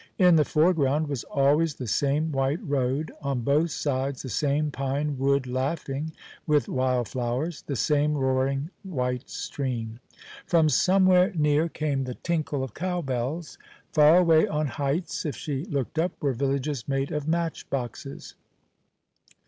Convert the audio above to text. In the foreground was always the same white road, on both sides the same pine wood laughing with wild flowers, the same roaring white stream. From somewhere near came the tinkle of cow bells. Far away on heights, if she looked up, were villages made of match boxes.